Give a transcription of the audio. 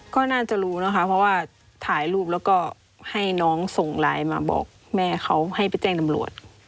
ก็น่าจะรู้นะคะเพราะว่าถ่ายรูปแล้วก็ให้น้องส่งไลน์มาบอกแม่เขาให้ไปแจ้งตำรวจ